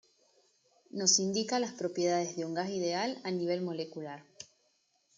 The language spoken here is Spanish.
Nos indica las propiedades de un gas ideal a nivel molecular.